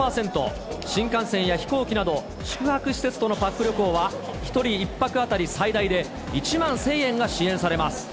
新幹線や飛行機など、宿泊施設とのパック旅行は、１人１泊当たり最大で１万１０００円が支援されます。